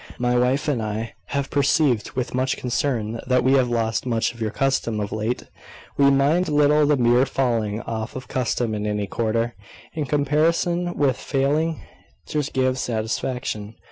My wife and I have perceived with much concern that we have lost much of your custom of late. We mind little the mere falling off of custom in any quarter, in comparison with failing to give satisfaction.